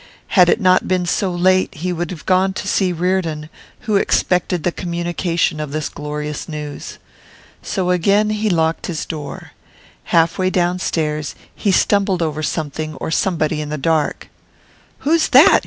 Had it not been so late he would have gone to see Reardon, who expected the communication of this glorious news. So again he locked his door. Half way downstairs he stumbled over something or somebody in the dark. 'Who is that?